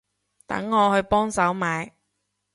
等我去幫手買